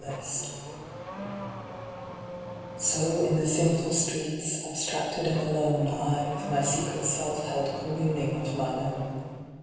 II So in the sinful streets, abstracted and alone, I with my secret self held communing of mine own.